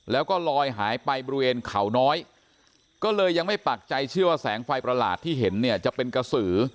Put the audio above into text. แล้วก็ลอยหายไปบริเวณเขาน้อยก็เลยยังไม่ปักใจเชื่อว่าแสงไฟประหลาดที่เห็นเนี่ยจะเป็นกระสือ